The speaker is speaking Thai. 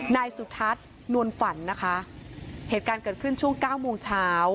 นายสุทัศน์นวลฝันนะคะเหตุการณ์เกิดขึ้นช่วงเก้าโมงเช้า